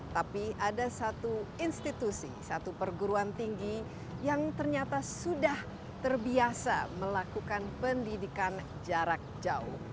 tapi ada satu institusi satu perguruan tinggi yang ternyata sudah terbiasa melakukan pendidikan jarak jauh